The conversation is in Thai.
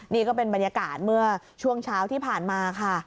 นี่ก็เป็นบรรยากาศเมื่อช่วงเช้าที่ผ่านมาค่ะ